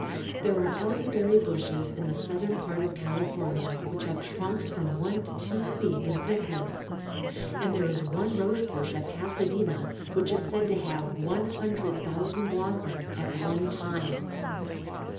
There are elderberry bushes in the southern part of California which have trunks from one to two feet in thickness ; and there is one rose bush at Pasadena which is said to have one hundred thousand blossoms at one time.